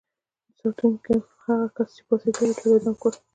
سانکو هغه کسان چې پاڅېدلي وو ټول اعدام کړل.